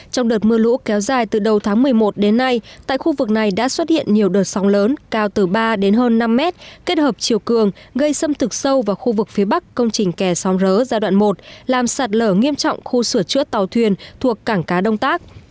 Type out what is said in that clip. trong đợt mưa lũ kéo dài từ đầu tháng một mươi một đến nay tại khu vực này đã xuất hiện nhiều đợt sóng lớn cao từ ba đến hơn năm mét kết hợp chiều cường gây xâm thực sâu vào khu vực phía bắc công trình kè xóm rỡ giai đoạn một làm sạt lở nghiêm trọng khu sửa chữa tàu thuyền thuộc cảng cá đông tác